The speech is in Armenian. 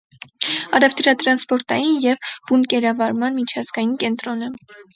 Առևտրատրանսպորտային և բունկերավորման միջազգային կենտրոն է։